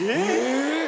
えっ！？